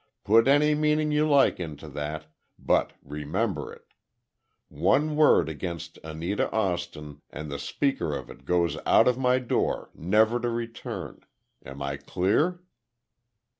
Put any meaning you like into that, but remember it. One word against Anita Austin, and the speaker of it goes out of my door never to return. Am I clear?"